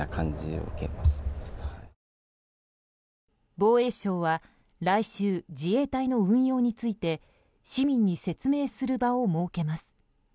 防衛省は来週自衛隊の運用について市民に説明する場を設けます。